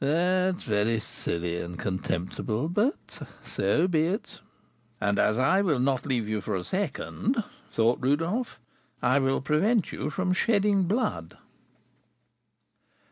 "That's very silly and contemptible; but so be it." "And as I will not leave you for a second," thought Rodolph, "I will prevent you from shedding blood."